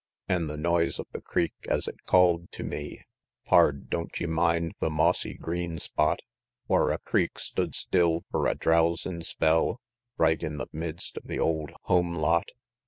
An' the noise of the creek as it called tew me, "Pard, don't ye mind the mossy, green spot Whar a creek stood still fur a drowzin' spell Right in the midst of the old home lot?